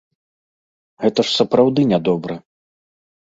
Гэта ж сапраўды нядобра.